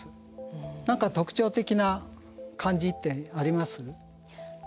何か特徴的な感じってあります？